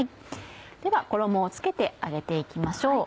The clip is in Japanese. では衣を付けて揚げて行きましょう。